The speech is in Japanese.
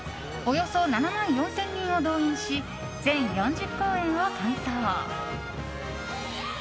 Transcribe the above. およそ７万４０００人を動員し全４０公演を完走。